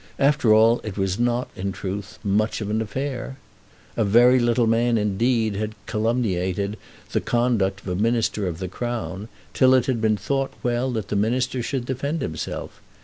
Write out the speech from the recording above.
After all it was not, in truth, much of an affair. A very little man indeed had calumniated the conduct of a minister of the Crown, till it had been thought well that the minister should defend himself.